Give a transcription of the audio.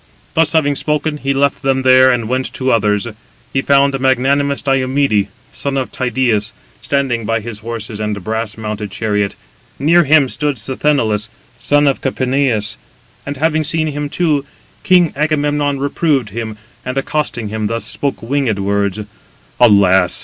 Thus having spoken, he left them there, and went to others; he found magnanimous Diomede, son of Tydeus, standing by his horses and brass mounted 185 chariot. Near him stood Sthenelus, son of Capaneus. And having seen him too, king Agamemnon reproved him, and accosting him thus, spoke winged words: "Alas!